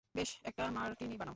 বেশ, একটা মার্টিনি বানাও।